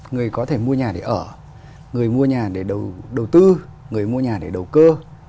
người có thể mua nhà để ở người mua nhà để đầu tư người mua nhà để đầu cơ